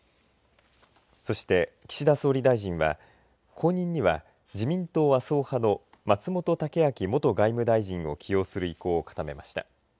そして、岸田総理大臣は後任には自民党麻生派の松本剛明元外務大臣を起用する意向を固めました。